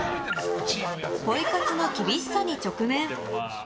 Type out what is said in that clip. ポイ活の厳しさに直面。